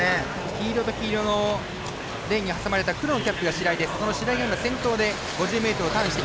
黄色と黄色のレーンに挟まれた黒のキャップが白井が先頭で５０ｍをターン。